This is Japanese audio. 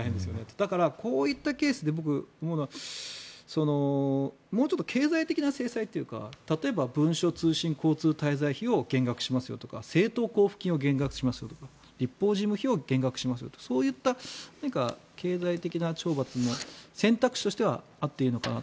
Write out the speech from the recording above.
だから、こういったケースで僕が思うのはもうちょっと経済的な制裁というか例えば文書通信交通滞在費を減額しますとか政党交付金を減額しますとかそういった、何か経済的な懲罰も選択肢としてはあってもいいのかなと。